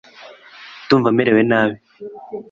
ndumva merewe nabi